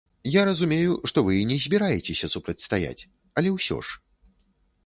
Я разумею, што вы і не збіраецеся супрацьстаяць, але ўсё ж?